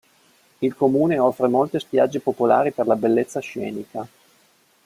Il comune offre molte spiagge popolari per la bellezza scenica.